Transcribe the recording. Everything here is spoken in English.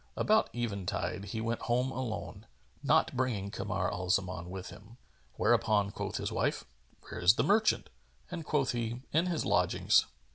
About eventide he went home alone, not bringing Kamar al Zaman with him: whereupon quoth his wife, "Where is the merchant?"; and quoth he, "In his lodgings."